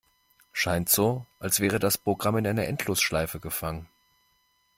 Scheint so, als wäre das Programm in einer Endlosschleife gefangen.